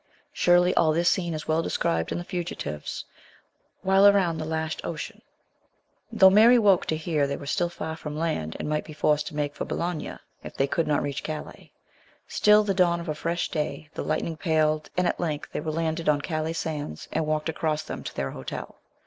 Surely all this scene is well described in " The Fugitives " While around the lashed ocean. Though Mary woke to hear they were still far from land, and might be forced to make for Boulogne if they could not reach Calais, still with the dawn of a fresh day the lightning paled, and at length they were landed on Calais sands, and walked across them to their hotel.